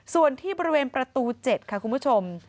ส่วนที่บริเวณประตู๗ค่ะคุณผู้ชม